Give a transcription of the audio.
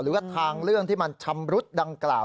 หรือว่าทางเรื่องที่มันชำรุดดังกล่าว